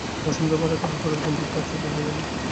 বরদাসুন্দরীও তাহার পরিবর্তন দেখিয়া আশ্চর্য হইয়া গেলেন।